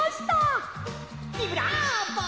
ビブラーボ！